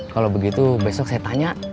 kalau begitu besok saya tanya